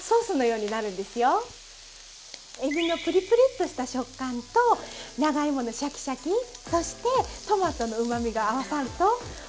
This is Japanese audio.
えびのプリプリッとした食感と長芋のシャキシャキそしてトマトのうまみが合わさると食べごたえ満点なんです。